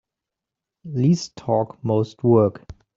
Least talk most work.